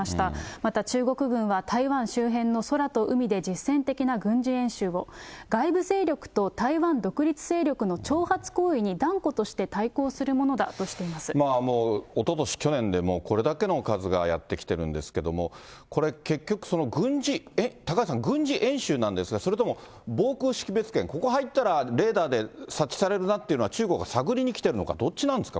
また中国軍は台湾周辺の空と海で実戦的な軍事演習を、外部勢力と台湾独立勢力の挑発行為に断固として対抗するものだともうおととし、去年で、これだけの数がやって来てるんですけども、これ、結局、高橋さん、軍事演習なんですか、それとも防空識別圏、ここ入ったらレーダーで察知されるなっていうのは中国は探りに来ているのか、どっちなんですか？